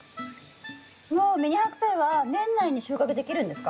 もうミニハクサイは年内に収穫できるんですか？